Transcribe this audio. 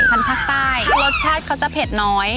พันธุ์ภาคใต้รสชาติเขาจะเผ็ดน้อย